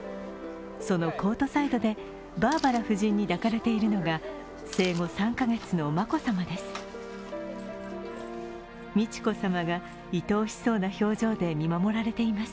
そのコートサイドでバーバラ夫人に抱かれているのが生後３カ月の眞子さまです。